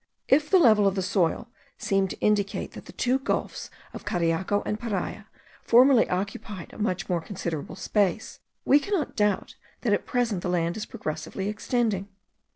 If the level of the soil seem to indicate that the two gulfs of Cariaco and Paria formerly occupied a much more considerable space, we cannot doubt that at present the land is progressively extending.